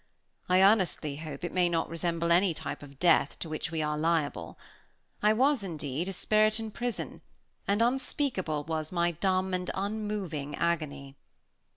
I earnestly hope it may not resemble any type of death to which we are liable. I was, indeed, a spirit in prison; and unspeakable was my dumb and unmoving agony.